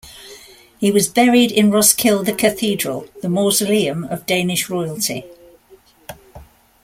He was buried in Roskilde Cathedral, the mausoleum of Danish royalty.